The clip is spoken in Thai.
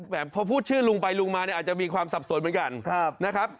พอพูดชื่อลุงไปลุงมาเนี่ยอาจจะมีความสับสนเหมือนกันนะครับ